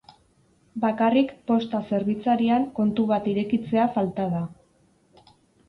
Bakarrik posta-zerbitzarian kontu bat irekitzea falta da.